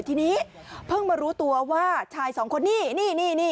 ทีนี้เพิ่งมารู้ตัวว่าชายสองคนนี้นี่